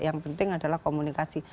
yang penting adalah komunikasi